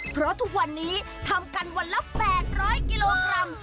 เพราะทุกวันนี้ทำกันวันละ๘๐๐กิโลกรัม